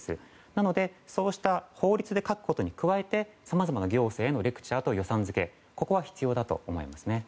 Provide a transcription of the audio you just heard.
なので、法律に書くことに加えてさまざまな行政へのレクチャーと予算付けが必要だと思います。